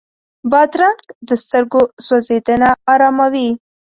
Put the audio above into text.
بادرنګ د سترګو سوځېدنه اراموي.